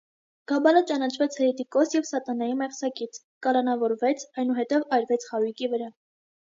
Գաբալը ճանաչվեց հերետիկոս և սատանայի մեղսակից, կալանավորվեց, այնուհետև այրվեց խարույկի վրա։